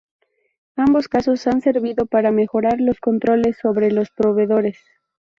Ambos casos han servido para mejorar los controles sobre los proveedores.